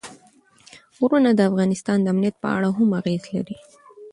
غرونه د افغانستان د امنیت په اړه هم اغېز لري.